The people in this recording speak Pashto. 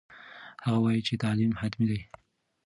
هغه وایي چې تعلیم حتمي دی.